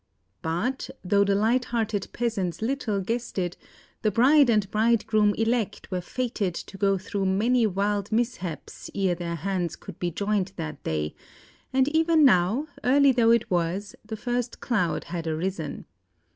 But, though the light hearted peasants little guessed it, the bride and bridegroom elect were fated to go through many wild mishaps ere their hands could be joined that day, and even now, early though it was, the first cloud had arisen.